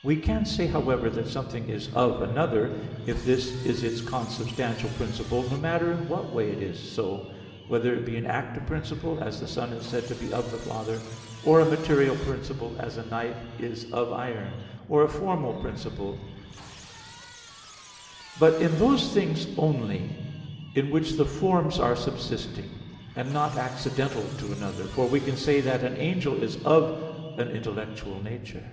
We can say, however, that something is "of" another, if this is its consubstantial principle, no matter in what way it is so, whether it be an active principle, as the son is said to be "of" the father, or a material principle, as a knife is "of" iron; or a formal principle, but in those things only in which the forms are subsisting, and not accidental to another, for we can say that an angel is "of" an intellectual nature.